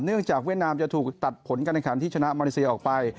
เนื่องจากเวียดนามจะถูกตัดผลกันในครั้งที่ชนะมารีเซียออกไป